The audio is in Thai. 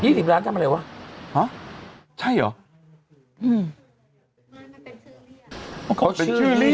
ยี่สิบล้านทำอะไรวะฮะใช่เหรออืมมันเป็นชื่อเรียกเขาเป็นชื่อเรียก